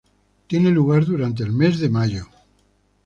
Tiene lugar durante el mes de mayo.